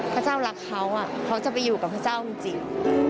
พระเจ้ารักเขาเขาจะไปอยู่กับพระเจ้าจริง